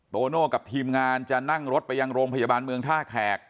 โตโน่กับทีมงานจะนั่งรถไปยังโรงพยาบาลเมืองท่าแขก